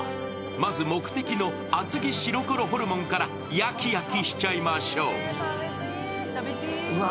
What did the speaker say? まず、目的の厚木シロコロホルモンから焼き焼きしちゃいましょう。